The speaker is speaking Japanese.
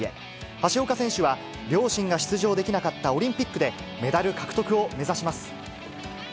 橋岡選手は、両親が出場できなかったオリンピックで、メダル獲得を目指します。